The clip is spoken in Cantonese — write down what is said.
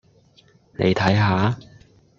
你睇吓